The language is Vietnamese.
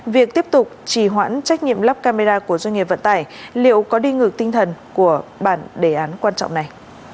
việc tiếp tục trì hoãn trách nhiệm lắp camera của doanh nghiệp vận tải liệu có đi ngược tinh thần của bản đề án quan trọng này